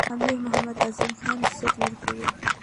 امیر محمد اعظم خان رخصت ورکوي.